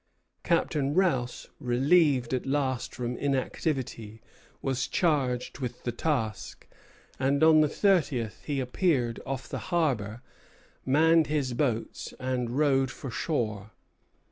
Captain Rous, relieved at last from inactivity, was charged with the task; and on the thirtieth he appeared off the harbor, manned his boats, and rowed for shore.